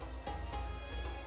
kemudian menetap di kawasan